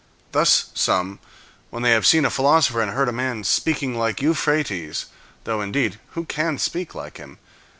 Thus some, when they have seen a philosopher and heard a man speaking like Euphrates (though, indeed, who can speak like him?)